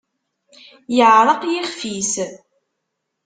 Yeɛreq yixf-is.